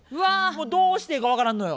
もうどうしていいか分からんのよ。